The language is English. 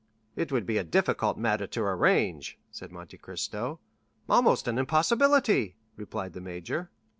"It would be a difficult matter to arrange," said Monte Cristo. "Almost an impossibility," replied the major.